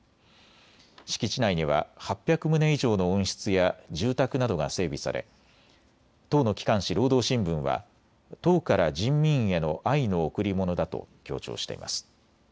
敷地内には８００棟以上の温室や住宅などが整備され党の機関紙、労働新聞は党から人民への愛の贈り物だと強調しています。